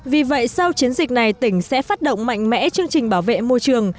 vì vậy sau chiến dịch này tỉnh sẽ phát động mạnh mẽ chương trình bảo vệ môi trường